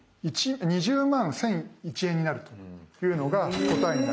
２０万１，００１円になるというのが答えになります。